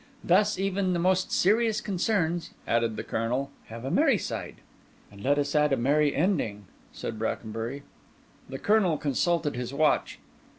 Thus even the most serious concerns," added the Colonel, "have a merry side." "And let us add a merry ending," said Brackenbury. The Colonel consulted his watch.